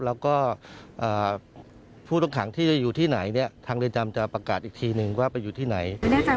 แล้วก็ผู้ต้องขังที่จะอยู่ที่ไหนเนี่ยทางเรือนจำจะประกาศอีกทีนึงว่าไปอยู่ที่ไหน